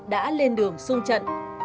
đã lên đường xuân chiến